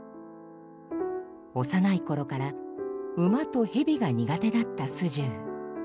幼い頃から馬と蛇が苦手だった素十。